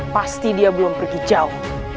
pasti dia belum pergi jauh